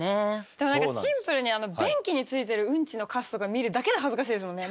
でも何かシンプルに便器についてるウンチのカスとか見るだけで恥ずかしいですもんね。